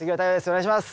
お願いします。